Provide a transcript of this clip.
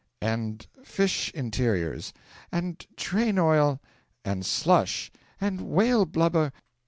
'And fish interiors! ' 'And train oil ' 'And slush! ' 'And whale blubber!